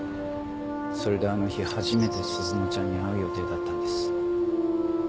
それであの日初めて鈴乃ちゃんに会う予定だったんです。